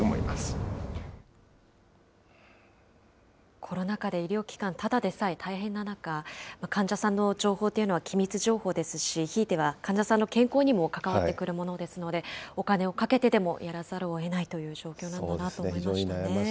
コロナ禍で医療機関、ただでさえ大変な中、患者さんの情報というのは機密情報ですし、ひいては患者さんの健康にも関わってくるものですので、お金をかけてでもやらざるをえないという状況なのかなと思いまし